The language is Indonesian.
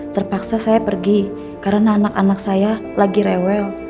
terpaksa saya pergi karena anak anak saya lagi rewel